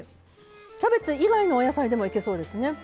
キャベツ以外のお野菜でもいけそうですね。